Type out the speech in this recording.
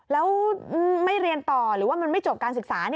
แล้วไม่เรียนต่อหรือว่ามันไม่จบการศึกษา